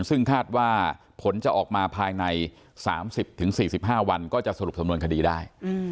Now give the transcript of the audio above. ซึ่งคาดว่าผลจะออกมาภายใน๓๐๔๕วันก็จะสรุปสำนวนคดีได้